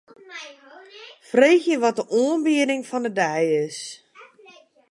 Freegje wat de oanbieding fan 'e dei is.